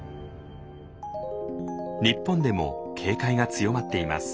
日本でも警戒が強まっています。